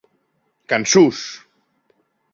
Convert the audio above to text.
Cançons!